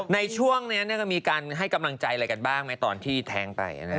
ในช่วงนี้ก็มีการให้กำลังใจอะไรกันบ้างไหมตอนที่แท้งไป